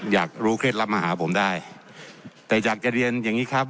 อยากรู้เคล็ดลับมาหาผมได้แต่อยากจะเรียนอย่างงี้ครับ